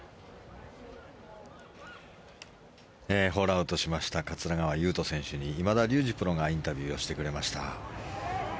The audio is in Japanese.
ホールアウトしました桂川有人選手に今田竜二プロがインタビューをしてくれました。